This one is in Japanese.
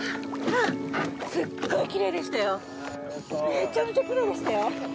めちゃめちゃ奇麗でしたよ。